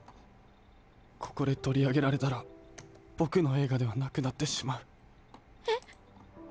ここでとりあげられたらぼくのえいがではなくなってしまう。え？